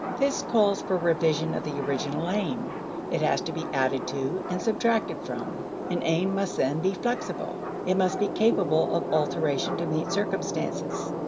This calls for revision of the original aim; it has to be added to and subtracted from. An aim must, then, be flexible; it must be capable of alteration to meet circumstances.